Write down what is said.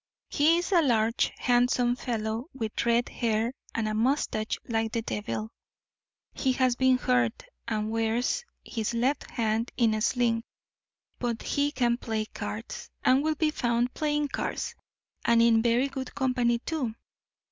He is a large, handsome fellow, with red hair and a moustache like the devil. He has been hurt, and wears his left hand in a sling, but he can play cards, and will be found playing cards, and in very good company too.